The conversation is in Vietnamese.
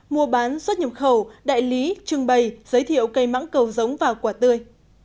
mua bán xuất nhập khẩu đại lý trưng bày giới thiệu cây mắng cầu giống và quả tươi